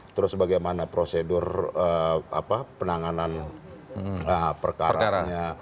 terus bagaimana prosedur penanganan perkaranya